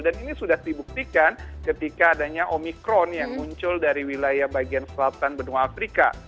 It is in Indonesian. dan ini sudah dibuktikan ketika adanya omikron yang muncul dari wilayah bagian selatan benua afrika